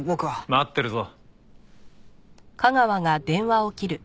待ってるぞ。